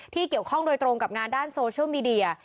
เกี่ยวข้องโดยตรงกับงานด้านโซเชียลมีเดีย